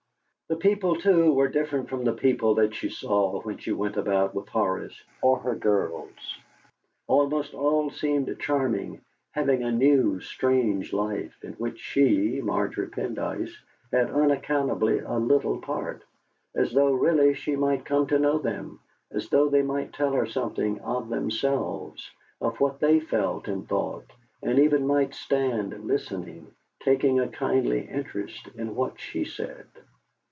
The people, too, were different from the people that she saw when she went about with Horace or her girls. Almost all seemed charming, having a new, strange life, in which she Margery Pendyce had unaccountably a little part; as though really she might come to know them, as though they might tell her something of themselves, of what they felt and thought, and even might stand listening, taking a kindly interest in what she said.